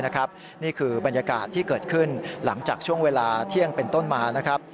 นี่คือบรรยากาศที่เกิดขึ้นหลังจากช่วงเวลาเที่ยงเป็นต้นมานะครับ